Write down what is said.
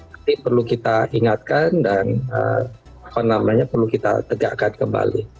jadi perlu kita ingatkan dan apa namanya perlu kita tegakkan kembali